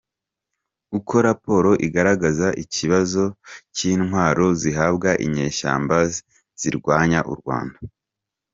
Uko raporo igaragaza ikibazo cy’intwaro zihabwa inyeshyamba zirwanya u Rwanda.